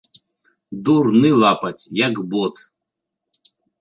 Дурны лапаць, як бот!